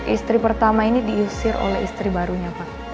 istri pertama ini diusir oleh istri barunya pak